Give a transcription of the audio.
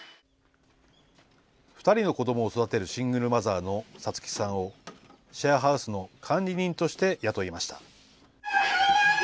２人の子どもを育てるシングルマザーのさつきさんを、シェアハウスの管理人として雇いました。